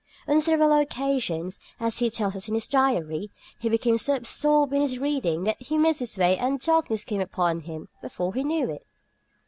On several occasions (as he tells us in his diary) he became so absorbed in his reading that he missed his way and darkness came upon him before he knew it.